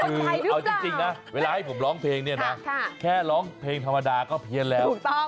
คือเอาจริงนะเวลาให้ผมร้องเพลงเนี่ยนะแค่ร้องเพลงธรรมดาก็เพี้ยนแล้ว